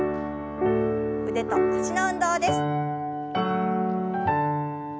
腕と脚の運動です。